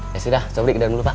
ya sudah sobri ke dalam dulu pak